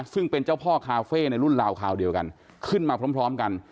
ซึ่งเป็นเจ้าพ่อคาเฟ่ในรุ่นราวคราวเดียวกันขึ้นมาพร้อมกัน